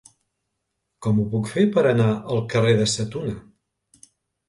Com ho puc fer per anar al carrer de Sa Tuna?